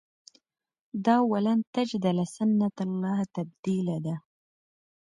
دا ولن تجد لسنة الله تبدیلا ده.